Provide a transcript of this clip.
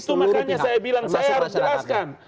itu makanya saya bilang saya harus jelaskan